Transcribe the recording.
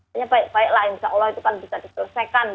hanya baiklah insya allah itu bisa diselesaikan